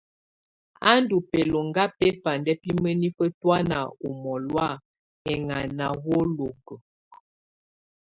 Á ndù bɛloŋga bɛfandɛ bi mǝnifǝ tɔ̀ána ù mɔ̀lɔ̀á ɛŋana ùwolokuǝ.